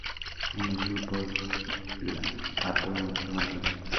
En el grupo la apodan "Mayo".